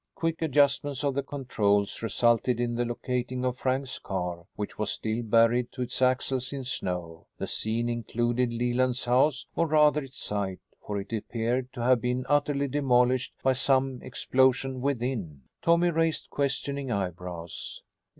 Quick adjustments of the controls resulted in the locating of Frank's car, which was still buried to its axles in snow. The scene included Leland's house, or rather its site, for it appeared to have been utterly demolished by some explosion within. Tommy raised questioning eyebrows.